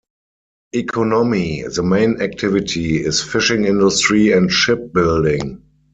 Economy: The main activity is fishing industry and ship building.